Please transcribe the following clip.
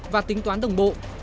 và tính toán đồng bộ